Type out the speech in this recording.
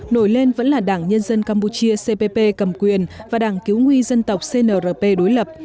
nổi lên vẫn là đảng nhân dân campuchia cpp cầm quyền và đảng cứu nguy dân tộc cnrp đối lập